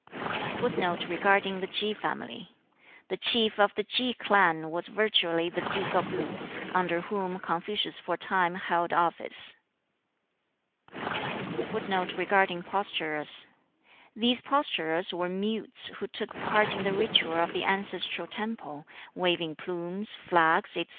[Footnote 4: The Chief of the Ki clan was virtually the Duke of Lu, under whom Confucius for a time held office.] [Footnote 5: These posturers were mutes who took part in the ritual of the ancestral temple, waving plumes, flags, etc.